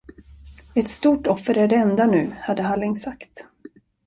Ett stort offer är det enda nu, hade Halling sagt.